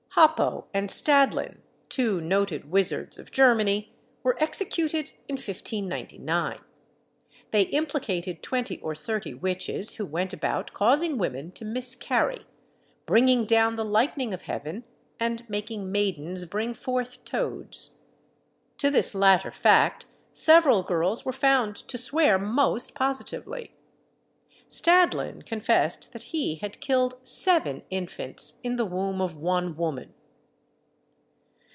Hoppo and Stadlin, two noted wizards of Germany, were executed in 1599. They implicated twenty or thirty witches, who went about causing women to miscarry, bringing down the lightning of heaven, and making maidens bring forth toads. To this latter fact several girls were found to swear most positively! Stadlin confessed that he had killed seven infants in the womb of one woman.